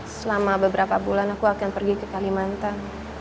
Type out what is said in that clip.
selama beberapa bulan aku akan pergi ke kalimantan